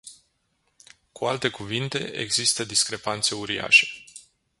Cu alte cuvinte, există discrepanțe uriașe.